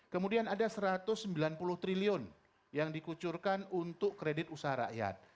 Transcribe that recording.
kemudian ada rp satu ratus sembilan puluh triliun yang dikucurkan untuk kredit usaha rakyat